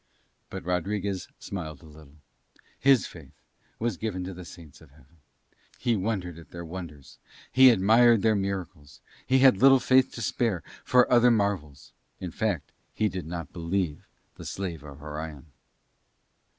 But Rodriguez smiled a little. His faith was given to the Saints of Heaven. He wondered at their wonders, he admired their miracles, he had little faith to spare for other marvels; in fact he did not believe the Slave of Orion.